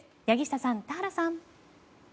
柳下さん、田原さん。